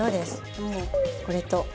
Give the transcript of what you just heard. もうこれと。